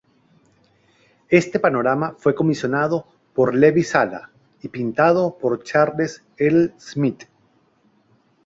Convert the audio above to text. Este panorama fue comisionado por Levi Sala y pintado por Charles L. Smith.